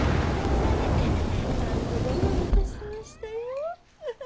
たんとご用意いたしましたよ。